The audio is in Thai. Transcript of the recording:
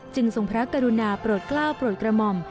ทรงพระกรุณาโปรดกล้าวโปรดกระหม่อม